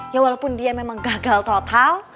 ya walaupun dia memang gagal total